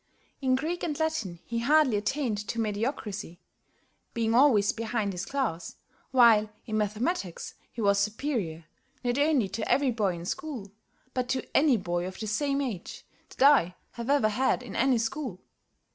In Greek and Latin he hardly attained to mediocrity, being always behind his class, while in mathematics he was superior, not only to every boy in school, but to any boy of the same age that I have ever had in any school.